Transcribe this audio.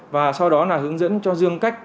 và sau đó là hướng dẫn cho dương cách